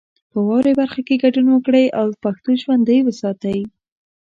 په واورئ برخه کې ګډون وکړئ او پښتو ژوندۍ وساتئ.